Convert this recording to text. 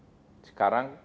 dan ketiga tentu sekarang